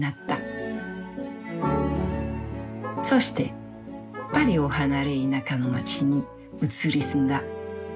そしてパリを離れ田舎の街に移り住んだ。